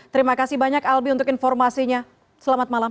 terima kasih banyak albi untuk informasinya selamat malam